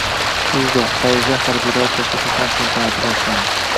Dzyudo: Parijda harbiylar o‘rtasida jahon chempionati boshlanding